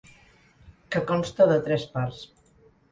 Que consta de tres parts.